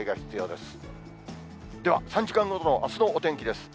では３時間ごとのあすのお天気です。